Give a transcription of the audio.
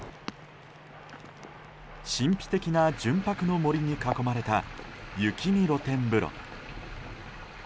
神秘的な純白の森に囲まれた雪見露天風呂。